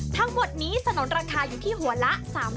ทั้งหมดนี้สนุนราคาอยู่ที่หัวละ๓๐๐